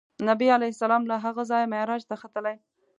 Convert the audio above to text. نبي علیه السلام له هغه ځایه معراج ته ختلی.